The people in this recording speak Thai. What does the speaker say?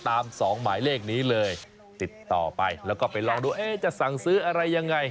สองหมายเลขนี้เลยติดต่อไปแล้วก็ไปลองดูเอ๊ะจะสั่งซื้ออะไรยังไง